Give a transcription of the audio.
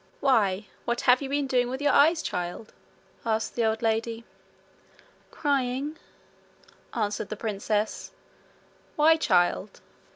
'Why, what have you been doing with your eyes, child?' asked the old lady. 'Crying,' answered the princess. 'Why, child?'